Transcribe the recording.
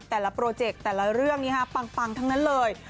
โปรเจกต์แต่ละเรื่องนี้ปังทั้งนั้นเลย